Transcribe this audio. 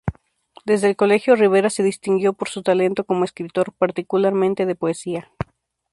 Desde el colegio Rivera se distinguió por su talento como escritor, particularmente de poesía.